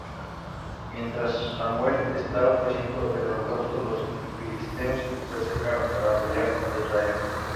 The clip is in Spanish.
Mientras Samuel estaba ofreciendo el holocausto, los filisteos se acercaron para pelear con Israel.